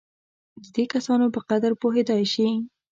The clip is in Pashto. د دې کسانو په قدر پوهېدای شي.